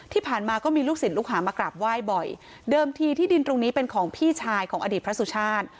ที่ผ่านมาก็มีลูกศิษย์ลูกหามากราบไหว้บ่อยเดิมทีที่ดินตรงนี้เป็นของพี่ชายของอดีตพระสุชาติ